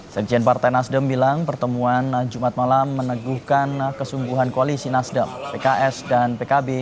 sekjen partai nasdem bilang pertemuan jumat malam meneguhkan kesungguhan koalisi nasdem pks dan pkb